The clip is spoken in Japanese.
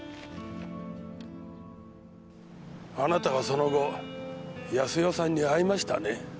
あなたはその後康代さんに会いましたね？